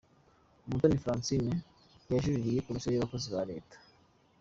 Umutoni Francine yajuririye Komisiyo y’abakozi ba Leta.